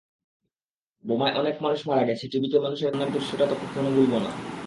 বোমায় অনেক মানুষ মারা গেছে, টিভিতে মানুষের কান্নার দৃশ্যটা কখনো ভুলব না।